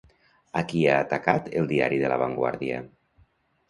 A qui ha atacat el diari de La Vanguardia?